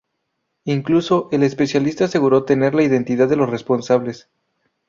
Incluso, el especialista aseguró tener la identidad de los responsables.